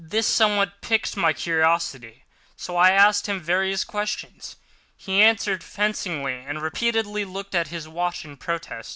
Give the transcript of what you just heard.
This somewhat piqued my curiosity, so I asked him various questions. He answered fencingly, and repeatedly looked at his watch in protest.